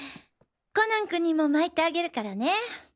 コナン君にも巻いてあげるからね。